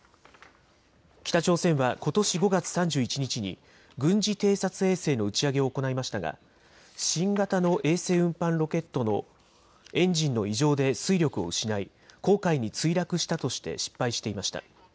北朝鮮はことし５月３１日に軍事偵察衛星の打ち上げを行いましたが新型の衛星運搬ロケットのエンジンの異常で推力を失い黄海に墜落したとして失敗していました。